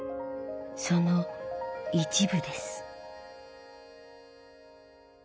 その一部です。